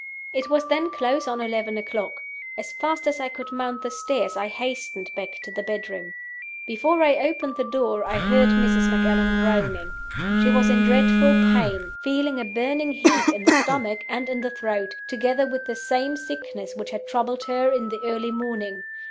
"It was then close on eleven o'clock. As fast as I could mount the stairs I hastened back to the bedroom. "Before I opened the door I heard Mrs. Macallan groaning. She was in dreadful pain; feeling a burning heat in the stomach and in the throat, together with the same sickness which had troubled her in the early morning.